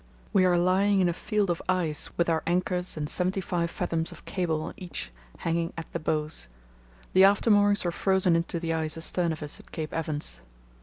"We are lying in a field of ice with our anchors and seventy five fathoms of cable on each hanging at the bows. The after moorings were frozen into the ice astern of us at Cape Evans.